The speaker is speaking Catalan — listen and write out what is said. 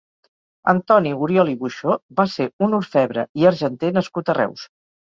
Antoni Oriol i Buxó va ser un orfebre i argenter nascut a Reus.